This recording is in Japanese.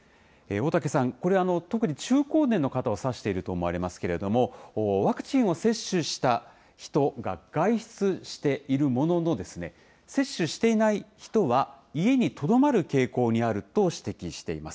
大竹さん、これ、特に中高年の方を指していると思われますけれども、ワクチンを接種した人が外出しているものの、接種していない人は家にとどまる傾向にあると指摘しています。